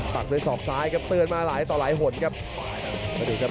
ปักด้วยศอกซ้ายครับเตือนมาหลายต่อหลายหล่นครับ